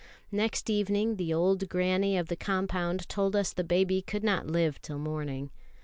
Next evening the old grannie of the compound told us the baby could not live till morning.